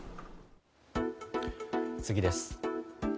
次です。